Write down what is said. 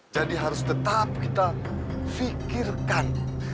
jadi harus tetap kita fikirkan